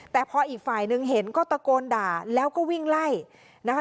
แต่พออีกฝ่ายหนึ่งเห็นก็ตะโกนด่าแล้วก็วิ่งไล่นะคะ